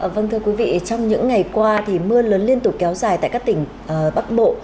vâng thưa quý vị trong những ngày qua thì mưa lớn liên tục kéo dài tại các tỉnh bắc bộ